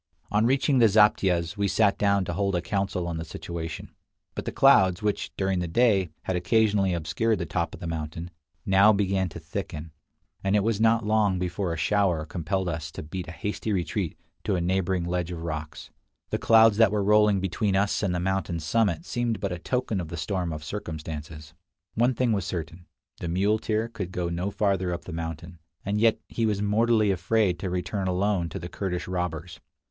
On reaching the zaptiehs, we sat down to hold a council on the situation; but the clouds, which, during the day, had occasionally obscured the top of the mountain, now began to thicken, and it was not long before a shower compelled us to beat a hasty retreat to a neighboring ledge of rocks. The clouds that were rolling between us and the mountain summit seemed but a token of the storm of circumstances. One thing was certain, the muleteer could go no farther up the mountain, and yet he was mortally afraid to return alone to the Kurdish robbers.